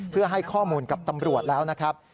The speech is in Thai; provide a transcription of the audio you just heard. เพื่อให้ข้อมูลกับตำรวจแล้วนะครับ